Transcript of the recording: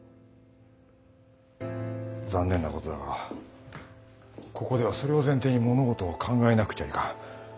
残念なことだがここではそれを前提に物事を考えなくちゃいかん。